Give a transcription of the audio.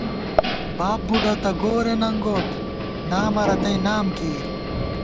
باب بُوڈہ تہ گورے ننگوت نامہ رتئی نام کېئی